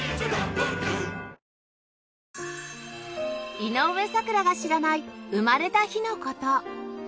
井上咲楽が知らない生まれた日の事